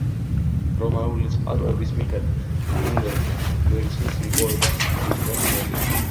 რომაული წყაროების მიხედვით, ჰუნებმა ვერცხლის მოპოვებას მიჰყვეს ხელი.